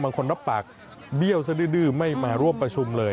รับปากเบี้ยวซะดื้อไม่มาร่วมประชุมเลย